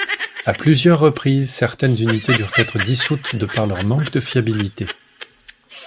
À plusieurs reprises, certaines unités durent être dissoutes de par leur manque de fiabilité.